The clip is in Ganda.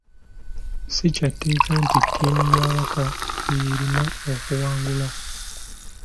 Si kya tteeka nti ttiimu y'awaka y'erina okuwangula.